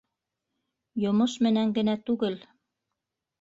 Йомош менән генә түгел...